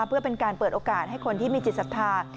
เพื่อเป็นการเปิดโอกาสให้คนที่มีจิตศรัทธา